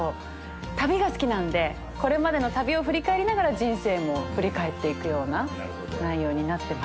旅が好きなんでこれまでの旅を振り返りながら人生も振り返っていくような内容になってます。